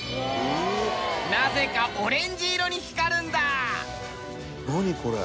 なぜかオレンジ色に光るんだ。